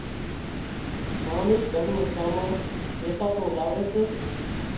مامي گھر نُون سامان ويساتو لي سي